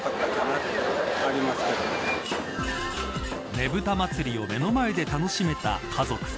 ねぶた祭を目の前で楽しめた家族。